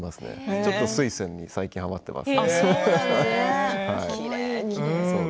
ちょっとスイセンに最近はまっています。